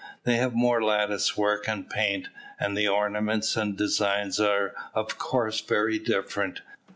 They have more lattice work and paint, and the ornaments and designs are of course very different.